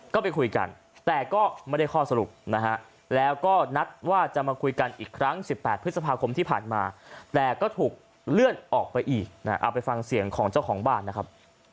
ก็ไปคุยกันแต่ก็ไม่ได้ข้อสรุปนะฮะแล้วก็นัดว่าจะมาคุยกันอีกครั้ง๑๘พฤษภาคมที่ผ่านมาแต่ก็ถูกเลื่อนออกไปอีกนะเอาไปฟังเสียงของเจ้าของบ้านนะครับ